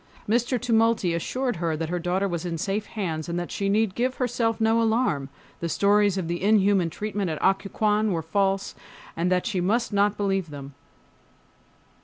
Mr. Tumulty assured her that her daughter was in safe hands, that she need give herself no alarm, the stories of the inhuman treatment at Occoquan were false, and that she must not believe them.